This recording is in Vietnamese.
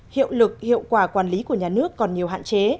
hiệu lực hiệu quả quản lý của nhà nước còn nhiều hạn chế